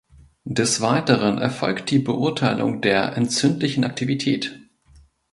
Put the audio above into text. Des Weiteren erfolgt die Beurteilung der entzündlichen Aktivität.